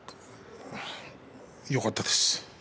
よかったです。